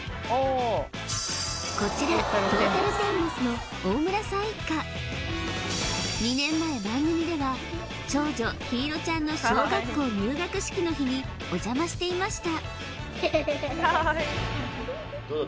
こちら２年前番組では長女・陽彩ちゃんの小学校入学式の日にお邪魔していました